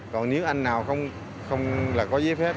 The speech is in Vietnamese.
còn nếu anh nào không là có giấy phép